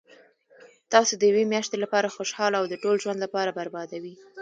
تاسو د یوې میاشتي لپاره خوشحاله او د ټول ژوند لپاره بربادوي